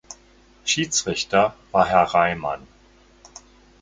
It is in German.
Schiedsrichter war Herr Reimann.